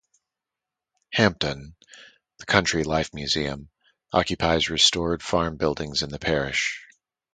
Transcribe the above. Hamptonne, the Country Life Museum, occupies restored farm buildings in the parish.